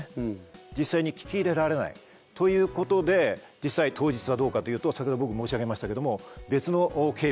実際に聞き入れられない。ということで実際当日はどうかというと先ほど僕申し上げましたけど別の警備